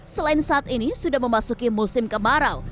selain saat ini sudah memasuki musim kemarau